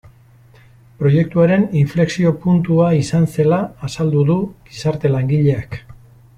Proiektuaren inflexio puntua izan zela azaldu du gizarte langileak.